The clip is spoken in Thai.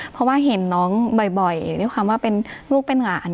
เพราะว่าเห็นน้องบ่อยด้วยความว่าเป็นลูกเป็นหลาน